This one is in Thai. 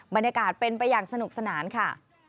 บรรยากาศเป็นไปอย่างสนุกสนานค่ะ